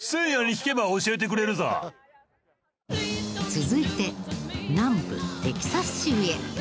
続いて南部テキサス州へ。